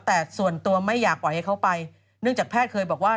แต่ส่วนตัวไม่อยากปล่อยให้เขาไปเนื่องจากแพทย์เคยบอกว่า